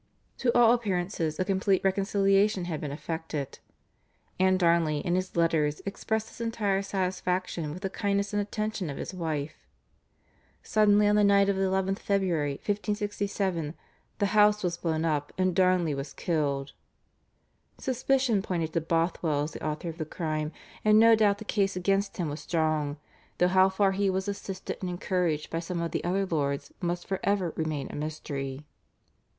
To all appearances a complete reconciliation had been effected, and Darnley in his letters expressed his entire satisfaction with the kindness and attention of his wife. Suddenly on the night of the 11th February 1567 the house was blown up, and Darnley was killed. Suspicion pointed to Bothwell as the author of the crime, and no doubt the case against him was strong, though how far he was assisted and encouraged by some of the other lords must for ever remain a mystery.